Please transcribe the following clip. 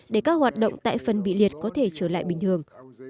để các hoạt động tại phần bị liệt có thể trở lại bình thường